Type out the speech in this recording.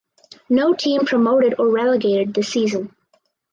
No team promoted or relegated this season.